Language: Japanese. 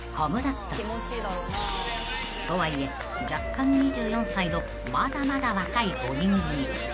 ［とはいえ弱冠２４歳のまだまだ若い５人組］